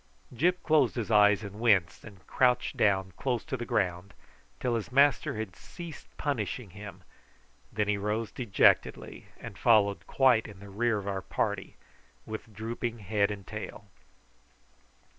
Gyp closed his eyes and winced and crouched down close to the ground till his master had ceased punishing him, and then he rose dejectedly, and followed quite in the rear of our party with drooping head and tail.